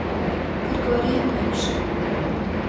Кыргорийын йӱкшӧ.